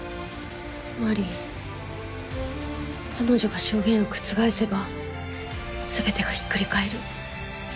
つまり彼女が証言を覆せばすべてがひっくり返る。